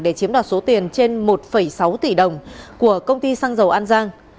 để chiếm đoạt số tiền trên một sáu tỷ đồng của công ty xăng dầu an giang